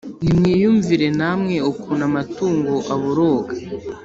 Nimwiyumvire namwe ukuntu amatungo aboroga!